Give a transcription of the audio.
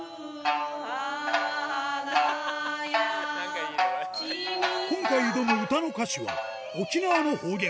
花や今回挑む歌の歌詞は沖縄の方言